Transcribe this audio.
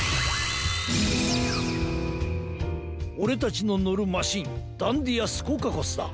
オレたちののるマシンダンディア・スコカコスだ。